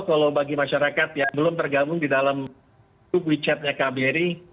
atau kalau bagi masyarakat yang belum tergabung di dalam chat nya kbri